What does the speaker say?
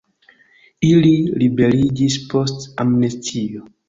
Ili liberiĝis post amnestio.